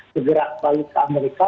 segera balik ke amerika